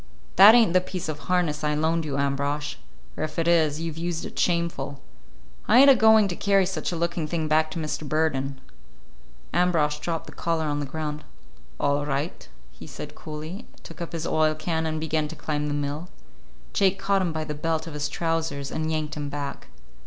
"That ain't the piece of harness I loaned you, Ambrosch; or if it is, you've used it shameful. I ain't a going to carry such a looking thing back to Mr. Burden." Ambrosch dropped the collar on the ground. "All right," he said coolly, took up his oil can, and began to climb the mill. Jake caught him by the belt of his trousers and yanked him back.